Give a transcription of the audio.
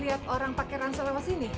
lihat orang pakai ransel lewat sini